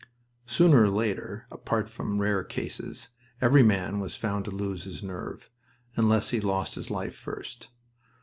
Sooner or later, apart from rare cases, every man was found to lose his nerve, unless he lost his life first.